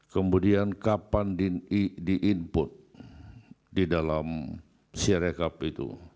kemudian kapan di input di dalam sirekap itu